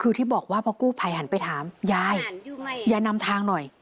คือที่บอกว่าพอกู้ภัยหันไปถามยายยายนำทางหน่อย